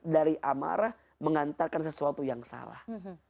dari amarah mengantarkan sesuatu yang salah